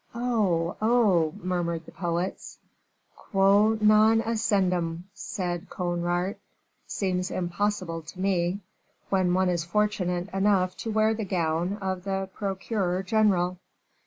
"Oh! oh!" murmured the poets. "Quo non ascendam," said Conrart, "seems impossible to me, when one is fortunate enough to wear the gown of the procureur general."